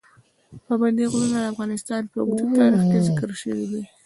پابندي غرونه د افغانستان په اوږده تاریخ کې ذکر شوي دي.